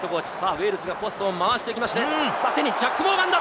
ウェールズがパスを回してきて、縦にジャック・モーガンだ！